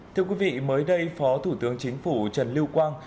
thưa quý vị mới đây phó thủ tướng chính phủ trần lưu quang